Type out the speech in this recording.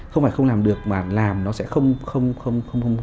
không phải không làm được mà làm nó sẽ không